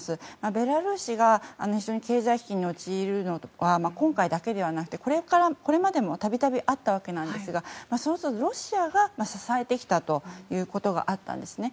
ベラルーシが非常に経済危機に陥るのは今回だけではなくてこれまでも度々あったわけですがそもそもロシアが支えてきたということがあったんですね。